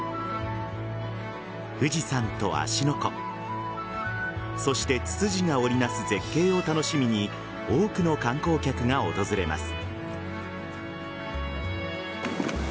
富士山と芦ノ湖そしてツツジが織りなす絶景を楽しみに多くの観光客が訪れます。